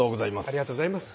ありがとうございます。